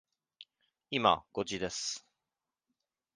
今、五時です。